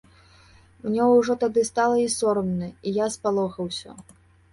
Мне ўжо тады стала і сорамна, і я спалохаўся.